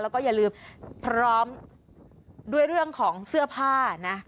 แล้วก็อย่าลืมพร้อมด้วยเรื่องของเสื้อผ้านะ